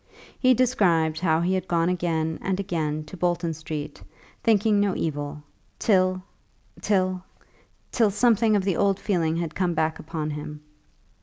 He described how he had gone again and again to Bolton Street, thinking no evil, till till till something of the old feeling had come back upon him.